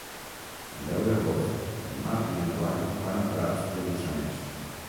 El deu d'agost en Marc i na Joana van a Prats de Lluçanès.